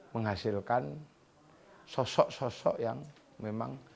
menghasilkan sosok sosok yang memang